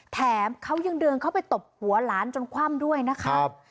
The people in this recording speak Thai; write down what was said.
แถมเขายังเดินเข้าไปตบหัวหลานจนคว่ำด้วยนะครับ